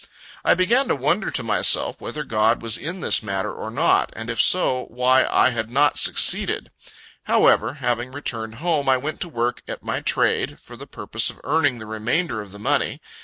I began to wonder to myself, whether God was in this matter, or not; and if so, why I had not succeeded. However, having returned home, I went to work at my trade, for the purpose of earning the remainder of the money.